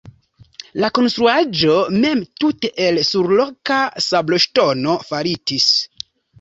La konstruaĵo mem tute el surloka sabloŝtono faritis.